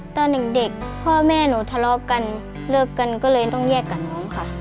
ตอนเด็กพ่อแม่หนูทะเลาะกันเลิกกันก็เลยต้องแยกกับน้องค่ะ